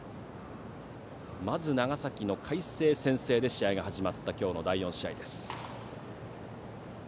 まず長崎の海星が先制して試合が始まった今日の第４試合です。